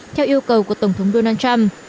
theo yêu cầu của tổng thống donald trump